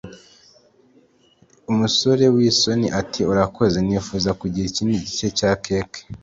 umusore w'isoni ati urakoze, nifuza kugira ikindi gice cya keke